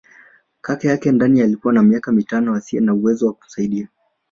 Kaka yake Dani alikuwa na miaka mitano asiye na uwezo wa kumsaidia.